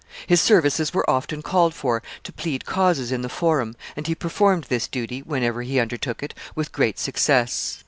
His services were often called for to plead causes in the Forum, and he performed this duty, whenever he undertook it, with great success.